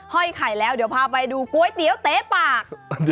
ห้อยไข่แล้วเดี๋ยวพาไปดูก๋วยเตี๋ยวเต๊ปาก